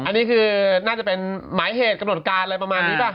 อันนี้คือน่าจะเป็นหมายเหตุกำหนดการอะไรประมาณนี้ป่ะ